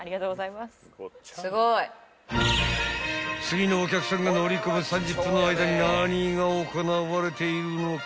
［次のお客さんが乗り込む３０分の間に何が行われているのか］